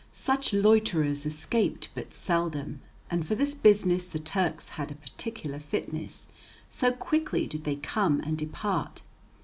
Such loiterers escaped but seldom. And for this business the Turks had a particular fitness, so quickly did they come and depart.